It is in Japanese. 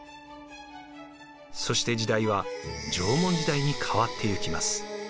そして時代は縄文時代に変わっていきます。